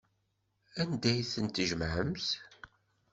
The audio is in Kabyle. Anda ay ten-tjemɛemt?